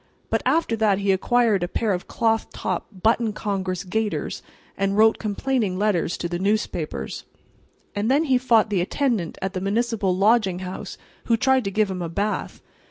But after that he acquired a pair of cloth top, button Congress gaiters and wrote complaining letters to the newspapers. And then he fought the attendant at the Municipal Lodging House who tried to give him a bath.